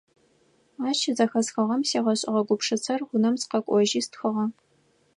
Ащ щызэхэсхыгъэм сигъэшӀыгъэ гупшысэр унэм сыкъэкӀожьи стхыгъэ.